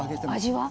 味は？